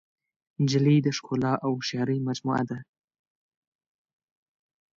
نجلۍ د ښکلا او هوښیارۍ مجموعه ده.